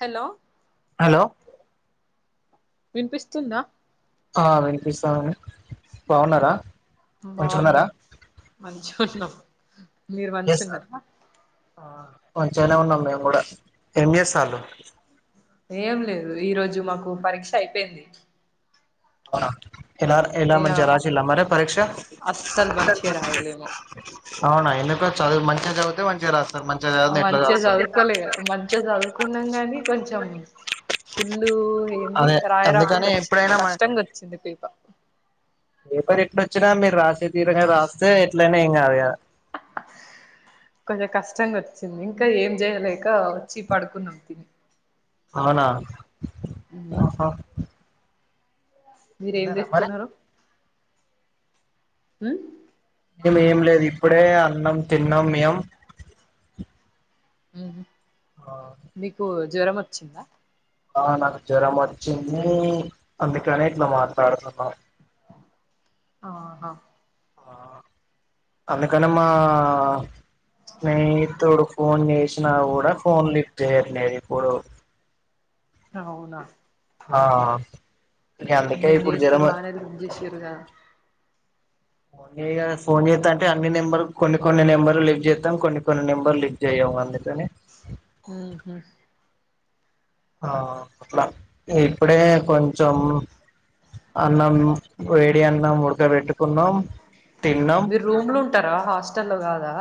Hello hello వినిపిస్తుంద ఆ వినిపిస్తానని బాగున్నారా మంచిగున్నారా బాగున్నాం మంచిగా ఉన్నాం మీరు మంచి ఎస్ సార్ కదా ఆ మంచంచినే ఉన్నాం మేము కూడా ఎంఏస్లు ఏం లేదు ఈ రోజు మాకు పరీక్ష అయిపోయింది ఆ ఎలా ఎలా ఇగ మంచి రాచల్ మరి పరీక్ష అస్సలు మంచిగా రాయలేము అవునా ఎందుక చదువు మంచిగా చదివితే మంచిగా రాస్తారు మంచిగా చదిని ఎట్లా మంచిగా రాస్తారు చదువుకోలే అ ఫుల్లు ఏయ్యంది అదే రాయి రాకుండా అందుకని వచ్చింది ఎప్పుడైనా మ కష్టంగా వచ్చింది పేప ఏ పరు ఎట్డ వచ్చినా మీరు రాసే తీరంగా రాస్తే ఎట్లయినా ఏం కాదు కదా కొంచెం కష్టంగా వచ్చింది ఇంకా ఏం చేయలేక వచ్చి పడుకున్నాం తిని అవునా అ ఆహా మీరేం తిన్నారా మరి చేస్తున్నారు ఆ మేం ఏం లేదు ఇప్పుడే అన్నాం తిన్నాం మేం ఆ నీకు జ్వరం వచ్చిందా ఆ నాకు జ్వరం వచ్చింది అందుకనే ఇట్లా మాట్లాడుతున్నా ఆహా ఆ అందుకని మా స్నేహితుడు ఫోన్ చేసి ఫోన్ చేసిన ఫోన్ లిఫ్ట్ చేయట్లేదు ఇప్పుడు అవునా ఆ ఇక అందుకే నేను ఇప్పుడు చేస్తే జ్వరం బానే లిఫ్ట్ చేసిండ్రుగా ఫోన్ చేయా ఫోన్ చేస్తా అంటే అన్ని నెంబర్ కొన్ని కొన్ని నెంబర్ లిఫ్ట్ చేస్తాం కొన్ని కొన్ని నెంబర్ లిఫ్ట్ చే్యము అందు ఆ ఆ అట్లా ఇప్పుడే కొంచెం అన్నం వేడి అన్నం ముడ్కబట్టు మీరు రూమ్ లో ఉంటారా హాస్టల్ లో కాదా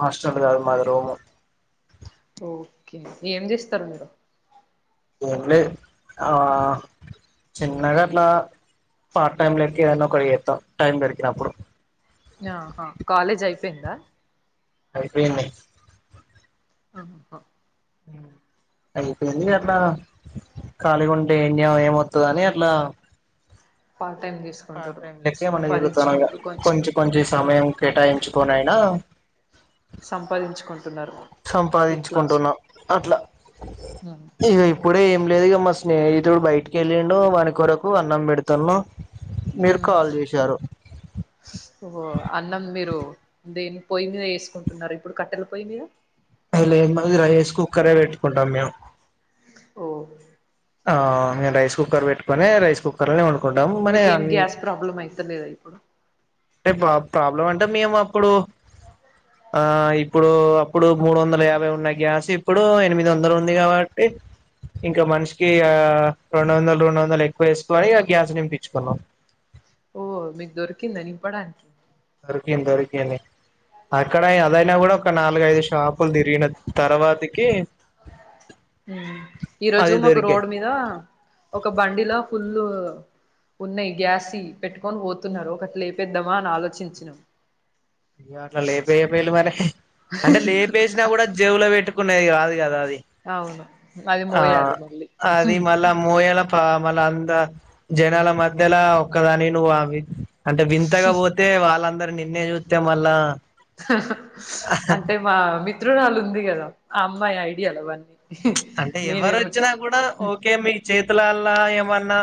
హాస్టల్ కాదు మాది రూము ఓకే ఏం చేస్తారు మీరు ఏం లేదు ఆ చిన్నగా అట్లా పార్ట్ టైమ్ లోకి ఏదనా ఒకటి చేస్తాం టైం దరికినప్పుడు ఆహా కాలేజ్ అయిపోయిందా అయిపోయింది ఓహో అయిపోయింది అట్ల ఖాళీగా ఉంటే ఏం వస్తదని అట్లా పార్ట్ టైం ఆ పార్ట్ తీసుకుంటారు టైం లాగా తిరుగుతాను సంపాదించుకుంటారు కొంచెం కొంచె సమయం కేటాయించుకనియినా సంపాదించుకుంటున్నారు ఇట్లా సంపాదించుకుంటున్నాం అట్లా ఇప్పుడే లేదుగా మా స్నేహితుడు బయటికి వెళ్ళండు వాన కొొరకు అన్నం పెడుతున్నాము ఓో అన్నం మీరు దేని పొయ్యి మీద వేసుకుంటున్నారు ఇప్పుడు కట్టెల పొయ్యి మీద అది లేదు మంది రైస్ కుక్కరే పెట్టుకుంటాం మేము ఓ ఆ నేను రైస్ కుక్కర్ పెట్టుకుొని రైస్ కుక్కర్ లోనే వండుకుంటాం మీకేం మని గ్యాస్ ప్రాబ్లం అయితలేదా ఇప్పుడు అంటేా ప్రాబ్లం అంటే మేము అప్పుడు ఆ ఇప్పుడు అప్పుడు మూడు వందల యాభై ఉన్న గ్యాస్ ఇప్పుడు ఎనిమిది వందలు ఉంది కాబట్టి ఇంకా మనిషికి ఆ రెండు వందలు రెండు వందలు ఎక్కువ వేసుకని ఆ గ్యాస్ నింపించుకున్నాం ఓ మీకు దొరికిందా అని నింపడానికి ద ద అక్కడ అదనా కూడా ఒక నాలుగైదు షాపులు తిరిగిన తర్వాతకి ఈ రోజు అది మాకు దొరికే రోడ్ మీద ఒక బండిలా ఫుల్ ఉన్నయి గ్యాసి పెట్టుకొని పోతున్నారు ఒకట్లాపేద్దామా అని ఆలోచించిన అయ్య అట్లా లేపేయ పయి మరి అంటే లేపేసినా కూడా జేవులో పెట్టుకునేది కా కది అవును అది మోయాలి మళ్ళీ అది మళ మోయల మళ అంద జనాల మధ్యలా ఒక్కదాని నువ్ అవి అంటే వింతగా పోతే వాళ్ళందరు నిన్నే చూస్తాం మళ్ళా అంటే మా మిత్రురాలుు ఉంది కదా ఆ అమ్మాయి ఐడియాలు అవన్నీ అంటే ఎవరు నేనేమో వచ్చినా కూడా ఓకే మీ చేతి లలా ఏమన్నా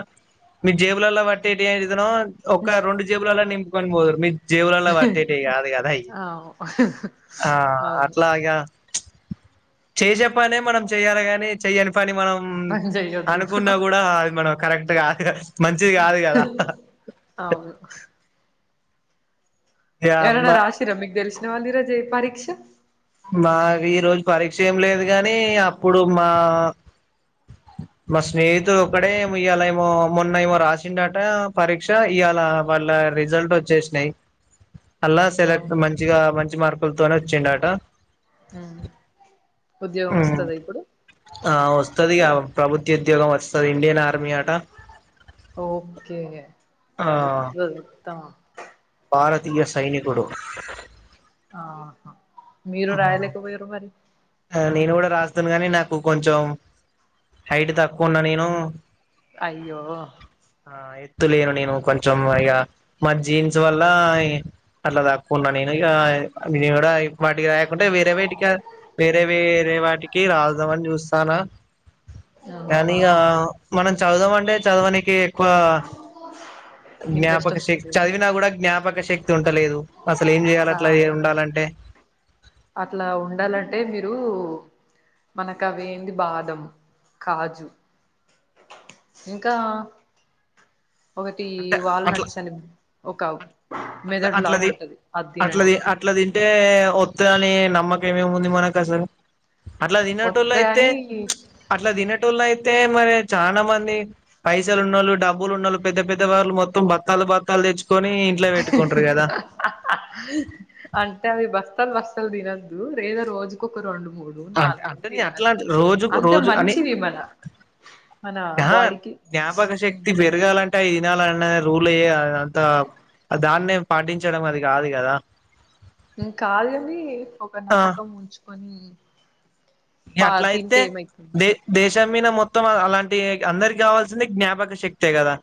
మీ జేబులలో బట్టేటి విధో ఒక రెండు జేబులలో ని కొని పోడూరు మీ జీవులల్లో పట్టేటివి కాదు కదా అవు ఆ అవును అట్లాగా చేయ చెప్పనే మనం చెయ్యాలి గాని చెయ్యను పని మనం పని చెయ్యొద్దు అనుకున్నా కూడా అది మనం కరెక్ట్ అ కాదు మంచిది కాదు కదా అవును ఎవరా ఇగ రాశిరా మీకు తెలిసినా వాళ్ళు ఈరోజు పరీక్ష మా ఈ రోజు పరీక్ష ఏం లేదు కాని అప్పుడు మా అ మా స్నేహితుడు ఒక్కడే ఏమో ఇవాళ ఏమో మొన్న ఏమో రాసిండట పరీక్ష ఇవాళ వాళ్ళ రిజల్ట్ వచ్చేసినాయి [unintelligible] అలా సెలెక్ట్ అవునా మంచిగా మంచి మార్కులతోనే వచ్చిండట హ్మ్ హ్మ్ ఆ వస్తది కావ ప్రభుత్వ ఉద్యోగం వస్తుంది ఇండియన్ ఆర్మీ ఆట ఓకే ప్రభుత్వ ఉత్తమం భారతీయ సైనికుడు ఆహా మీరు రాయలేకపోయారు మరి ఆ, నేను కూడా రాస్తాను గానీ నాకు కొంచెం హైట్ తక్కువ ఉన్నా నేను అయ్యో లేను నేను కొంచెం ఇక మా జీన్స్ వల్ల అట్లా తక్కువనా ఉన్న నేను విడ వడ వాటికి రాయాకుండా వేరే వాటికి వేరే వేరే వాటికి రాల్దామని చూస్తానా కానీ ఆహా మనం చదుదాం అంటే చదవనికి ఎక్కువ ఇంట్రెస్ట్ జ్ఞాపక శక్తి వస్తలేదా చదివినా కూడా జ్ఞాపక శక్తి ఉంటలేదు అసలు ఏం చేయాల అట్లా ఆహా ఉండాలంటే అట్లా ఉండాలంటే మీరు మనకు అవి ఏంది బాదం కాజు ఇంకా ఒకటి అంటే అట్లా వాల్నట్స్ అని ఒక అట్లా మెదడు లాగా అట్లది ఉంటది అది తినండి అట్లది అట్లా తింటే ఒత్త అని నమ్మకంమేమి ఉంది మనకు అసలు అట్లా తన్నట్ళ అయితే వత్తయని అట్లా తినట్ ల్లో అయితే మరి చాలా మంది పైసలు ఉన్ను డబ్బులు ఉన్నువాలు పెద్ద పెద్ద ద్ద వళ్లు మొత్తం బక్కలు బక్కలు తెచ్చ అంటే అవి బస్తత బస్ అసలు తినొద్దు లేదా రోజుకొరు రండు మూడు అంటే నాలుగేళ్లు అంటే నే అట్లా తినాలి అంట- రోజు అంతే రోజు అని మంచిది మన అనా బాడికి తా ఇనాల అన్న రూలేయే అంత దాన్నే పాటించడం అది కాదు కదా కాదని ఒక ఆ నమ్మకం ఉంచుకొని పా అట్లా అయితే తింటే ఏమైతుంది ద దేశం మీ మొత్తం అలాంటి అందరికి కావాల్సింది జ్ఞాపక శక్తే కదా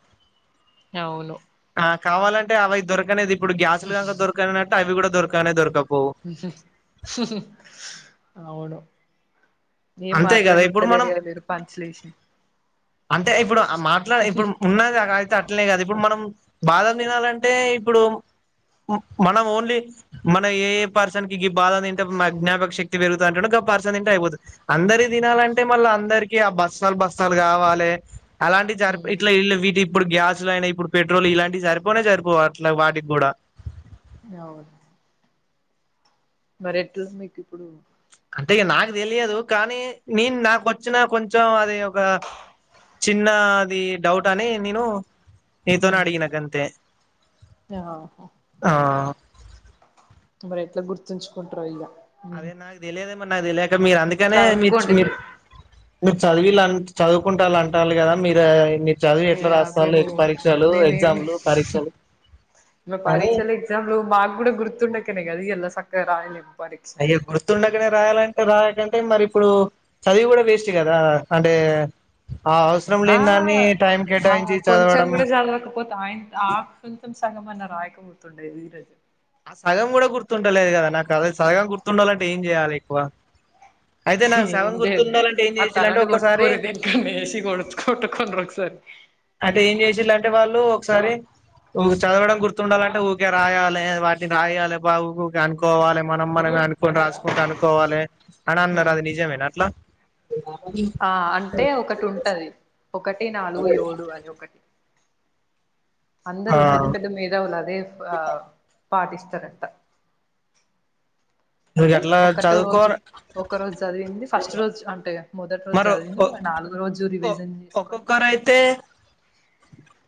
అవును ఆ కావాలంటే అవి దొరకనేది ఇప్పుడు గ్యాస్లుక దొరకన అట్టు అవి కూడా దొరకనే దొరకవు అవును ఏం అంతే కదా మాట్లాడి ఇప్పుడు తలేరు మనం కదు మీరు పంచలేసి అంటే ఇప్పుడు మాట్లాడ ఇప్పుడు ఉన్నది అ అయితే అట్లే కదా ఇప్పుడు మనం బాధం తినాలంటే ఇప్పుడు మనం ఓన్లీ మన ఏ ఏ పర్సన్ కి బాధ తింటే జ్ఞాపక శక్తి పెరుగుత అంటడో గవ్ పర్సన్ తింటే అయిపోతుంది. అందరి తినాలంటే మళ్ళీ, అందరికీ ఆ బస్తాలు బస్తాలు కావాలి. ట్లే అలాంటి జరిప్ ఇట్లా ఇల్ వీటి ఇప్పుడు గ్యాస్ లైనై ఇప్పుడు పెట్రోల్ ఇలాంటివి సరిపోనే సరిపోవ్ అట్లా వాటికి కూడా అవున్ మరి ఎట్లా మీకు ఇప్పుడు అంటే నాకు తెలియదు కానీ నేను నాకొచ్చిన కొంచెం అది ఒక చిన్నది డౌట్ అని నేను నీతోనే అడిగిన గంతే ఆహా ఆ మరి ఎట్లా గుర్తుంచుకుంటారు ఇగా అదే నాకు తెలియదే మరి నాకు తెలిక మీరు ఇంకా అందుకనే మీచ్ కనుక్కోండి మీర్ మీరు మీరు చదివిల్ అంట్ చదువుకుంటారుళ్ళ అంటారు గదా మీరే చదివి ఎట్లా రాస్తారు మేము పరీక్షలు ఎగ్జామ్లు పరీక్షలు ఇ అని పరీక్షలు ఎగ్జామ్లు మాకు కూడా గుర్తుండకనే గది ఈయల సక్కగా రాయలేద్ అయ్య గుర్తుండక్కనే రాయాల్ రాకంటే మరి ఇప్పుడు చదివి కూడా వేస్ట్ కదా అంటే ఆ అవసరం ఆ లేని దాన్ని టైం ఆ కేటాయించి కొంచెం చదవడం కూడా చదవకపోతే ఆయన్ ఆ కొంచం సగమ అన్నారు ఆగి పోతుందే మీరే ఆ సగం కూడా జేయాలి ఎక్కువ అయితే నాకు సగం ఎమ్ జేయాలి గుర్తుండాలంటే ఏం అ చేయాలంటే తలని ఒకసారి కొట్టుకునిరీ దేనికైనా ఏసి కొడత్ కట్టుకోండి ఒకసారి అంటే ఏం చేసిల్ అంటే వాళ్ళు ఒకసారి ఊ చదవడం గుర్తుండాలంటే ఊరికే రాయాలి వాటిని రాయాలి బాబ ఊకే అనుకోవాలి మనం మనం అనుకొని రాసుకుంటూ అనుకోవాలి అని అన్నారు. అది నిజమేనా అట్లా, ఆ అంటే ఒకటి ఉంటది ఒకటి నాలుగు ఏడు అని ఒకటి ఆ అందరూ పెద్ద పెద్ద మేధావులు అదే ఆ పటిస్తారుంట నువ్వు అంటే అట్లా ఒక్కటో చదువుకో రోజు ఒక రోజు చదివింది ఫస్ట్ రోజు అంటే మొదటి రోజు మరి చదివింది మల్ల నాలుగు రోజు రివిజన్ చేసుకొని ఒక్కొక్కరైతే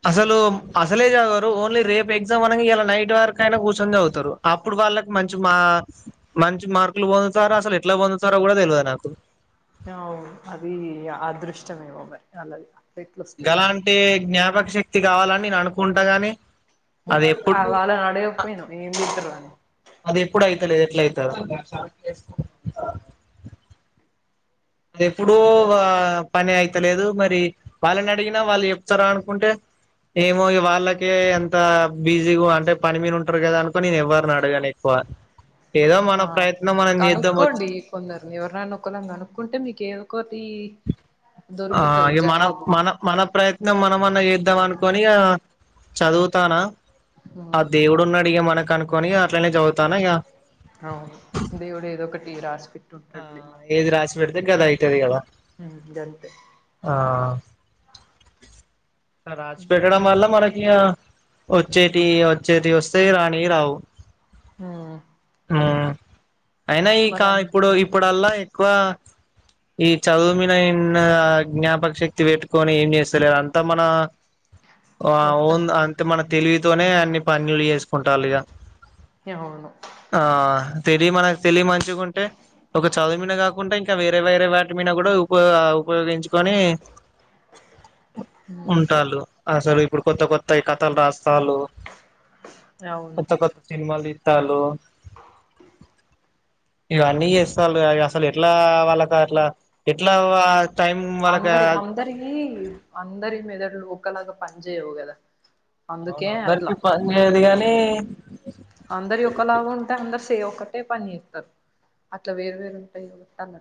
అసలు అసలే చదవారు ఓన్లీ రేపు ఎగ్జామ్ అన ఇలా నైట్ వరకు అయినా కూర్చొని చదువుతారు అప్పుడు వాళ్ళకి మంచి మా మంచి మార్కులు పొందుతార అసలు ఎట్లా పొందుతారో కూడా తెవాదు నాకు అవు అది అదృష్టమే మరి అలది ఇగ గలాంటి జ్ఞాపక శక్తి కావాలని నేను అనుకుంటా గాని ఉమ్ అది ఎప్పుడు వాళ్ళని నడకపోయినవా ఎమ్ చెత్తారు అని అది ఎప్పుడు అయితలేదు ఎట్లా అయితదొ అ ఎప్పుడూ పని అయితలేదు మరి వాళ్ళని అడిగినా వాళ్ళు చెప్తారా అనుకుంటే ఏమో ఇగ వాళ్ళకే ఎంత బిజీగా అంటే పని మీను ఉంటారు కదా అనుకోని నేను ఎవ్వరని అడగాను ఎక్కువ ఏదో ఆ మన ప్రయత్నం మనం చేద్దాం వచ్చి కనుకోండి కొందరి ఎవరినైనా కొందరిని కొనుక్ కుంటే మీకేదో కొన్ని ఆ ఇగ్ మన మన మన ప్రయత్నం మనమన్నా చేద్దాం అనుకొని ఇగ చదువుతానా ఆ దేవుడు ఉన్నాడు ఇగ మన్ మనకు అనుకొని అట్లనే చదువుతా ఇగా అవును దేవుడు ఏదో ఒకటిటీరాసిపేట్ ఆ తుంటాడు మాన ఏది కోసం రాసి పెడితే గది అయితది కదా గంతే ఆ రాసిపేటడం ఇంకా వల్ల మనకి వచ్చేటి వచ్చేటి వస్తేయి రాణియి రావు ఉమ్ ఉమ్ అయినా ఈకా ఇప్పుడు ఇప్పుడల్లా ఎక్కువ ఈ చదువుమినన్ జ్ఞాపక శక్తి పెట్టుకొని ఏం చేస్తలేరు అంతా మన ఆ మొత్తం వుందు అంతే మన తెలివితోనే అన్ని పనులు చేసుకుంటాళ్లు ఇక అవును ఆ తెలి మన తెలి మంచిగుంటే ఒక చదువు మీదనే కాకుంట ఇంకా వేరే వేరే వాటి మీద కూడా ఉప ఉపయోగించు తోని ఉంటాళ్లు అసలు ఇప్పుడు కొత్త కొత్త ఈ కథలు రాస్ తల్లు అవును కొత్త కొత్త సినిమాలు తీతలు ఇవన్నీ చేస్తాల్లుగా ఇక అసలు ఎట్లా వాళ్ళకి అట్లా ఎట్లా వా టైం వాళ్ళకి అందరి అందరికీ అందరి మెదలు ఒకే లాగా పని చేయవు కదా అందుకే అవును అట్లా అందరికి పని చేయదు గాని అందరివి ఒకలాగా ఉంటే అందరు ఒకటే పని చేత్తారు అట్లా వేరు వేరు ఉంటాయి తన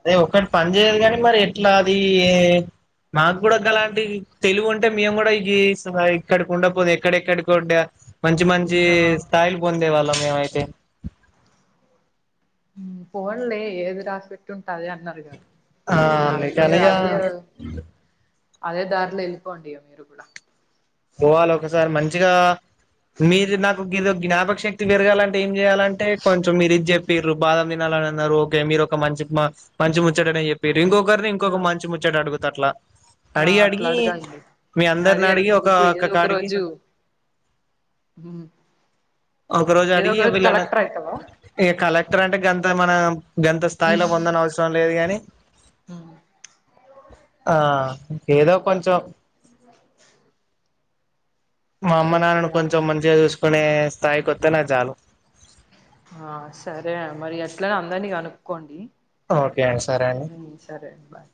అదే ఒక్కటి పని చేయదు కాని మరి ఎట్లా అది మాకు కూడా గలాంటి తెలివు ఉంటే మేము కూడా ఇ ఇక్కడకి ఉండపోతే ఎక్కడెక్కడికో ఉంటే మంచి మంచి ఆ స్థాయిలు పొందేవాళ్ళం మేమైతే ఫోన్లే ఏది రాసి పెట్టి ఉంటే అదే అంటారు ఆ కదా అది అందుకనిగా అదే అదే దారిలో ఎల్లిపోండి ఇక మీరు కూడా సార్ మంచిగా మీరు నాకు గీలోకి జ్ఞాపక శక్తి పెరగాలంటే ఏం చేయాలంటే కొంచెం మీరు ఇది చెప్పిరు బాదం వినాల న్నారు ఓకే మీరు ఒక మంచి మంచి ముచ్చటనే చెప్పిర్రు ఇంకొకరిని ఆ ఇంకొక మంచి ముచ్చట అడుగుతా అట్లా ఆ అడిగి అడిగి మీ అందరిని అడిగి ఒక పో ఏదో ఒక రోజు ఒక రోజు ఏదో అడిగి ఒక ఇగ వీళ్లన కలెక్టర్ అయితవా ఏ కాల త్రడ్ గంత మనం గంత స్థాయిలో పొందన అవసరం లేదు గాని అ ఆ ఏదో కొంచెం మా అమ్మ ఓకే నాన్నని అమ్మ కొంచెం మంచిగా చూసుకునే స్థాయికోతే నాకు చాలు ఆ సరే మరి ఆట్లనే అందర్నీ కనుక్కోండి ఓకే అండి సరే అండి ఉమ్, సరే బాయ్